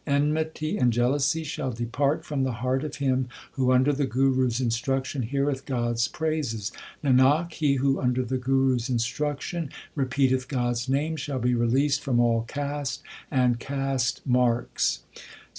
Enmity and jealousy shall depart from the heart of him Who under the Guru s instruction heareth God s praises. Nanak, he who under the Guru s instruction repeateth God s name, Shall be released from all caste and caste marks.